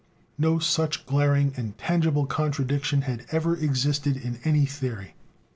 No such glaring and tangible contradiction had ever existed in any theory.